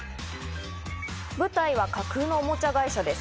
舞台は架空のおもちゃ会社です。